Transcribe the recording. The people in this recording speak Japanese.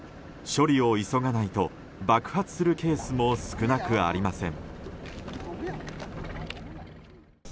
処理を急がないと爆発するケースも少なくありません。